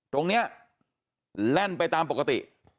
ตรงนี้แล่นไปตามปกติ